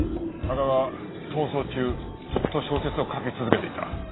芳賀は逃走中ずっと小説を書き続けていた。